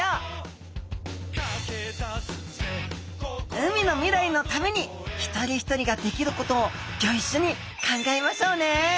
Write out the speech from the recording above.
海の未来のために一人一人ができることをギョ一緒に考えましょうね！